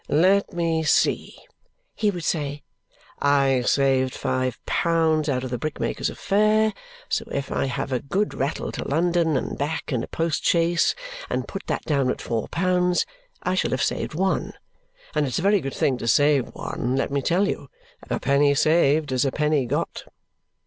"Let me see!" he would say. "I saved five pounds out of the brickmaker's affair, so if I have a good rattle to London and back in a post chaise and put that down at four pounds, I shall have saved one. And it's a very good thing to save one, let me tell you: a penny saved is a penny got!"